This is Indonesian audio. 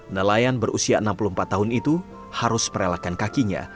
nelayan berusia enam puluh empat tahun itu harus merelakan kakinya